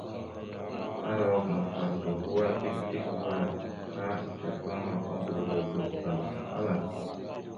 Arawak mafarakal hwa dik dik vvaɗ, ha icefaŋa, udoro guzədalah amat.